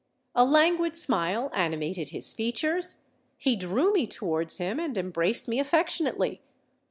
A languid smile animated his features: he drew me towards him, and embraced me affectionately.